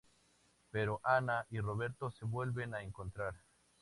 Pero Ana y Roberto se vuelven a encontrar.